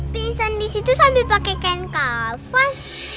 pingsan disitu sambil pakai kain kapan